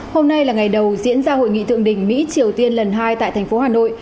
hôm nay là ngày đầu diễn ra hội nghị thượng đỉnh mỹ triều tiên lần hai tại thành phố hà nội